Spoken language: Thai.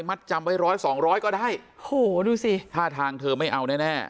มัดจำไว้ร้อย๒๐๐ก็ได้โหดูสิถ้าทางเธอไม่เอาแน่